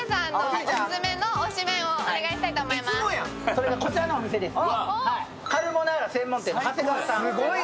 それが、こちらのお店です。